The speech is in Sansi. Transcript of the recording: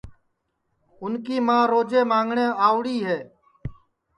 اُن کی ماں روجے مانٚگٹؔے آوڑی ہے